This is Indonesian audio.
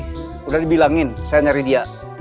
sudah dibilangin saya nyari dia